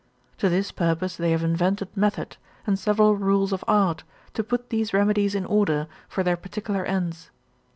To this purpose they have invented method, and several rules of art, to put these remedies in order, for their particular ends.